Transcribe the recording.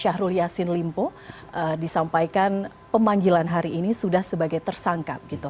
syahrul yassin limpo disampaikan pemanggilan hari ini sudah sebagai tersangka